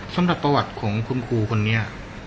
สำหรับประวัติของคุณครูคนนี้